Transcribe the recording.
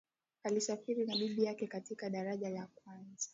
alisafiri na bibi yake katika daraja la kwanza